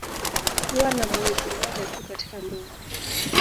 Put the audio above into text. Kuwa na mwenzi mmoja tu katika ndoa